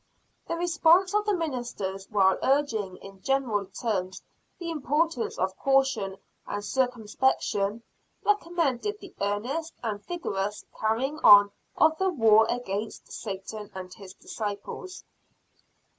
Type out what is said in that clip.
The response of the ministers, while urging in general terms the importance of caution and circumspection, recommended the earnest and vigorous carrying on of the war against Satan and his disciples.